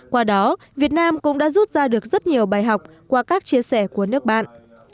qua đó việt nam cũng đã rút ra được rất nhiều bài học qua các chia sẻ của nước bạn